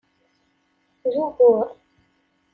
D ugur!